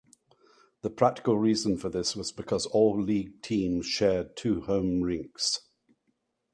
The practical reason for this was because all league teams shared two homes rinks.